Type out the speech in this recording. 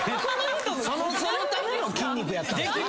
そのための筋肉やったんすか？